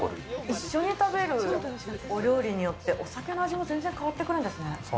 一緒に食べるお料理によって、お酒の味も全然変わってくるんですね。